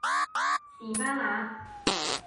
士巴拿